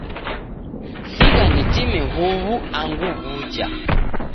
Sigha nitime huw'u angu w'uja.